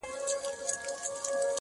سپی یوازي تر ماښام پوري غپا کړي.!